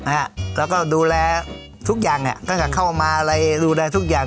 ฮะแล้วก็ดูแลทุกอย่างเนี่ยตั้งแต่เข้ามาอะไรดูแลทุกอย่าง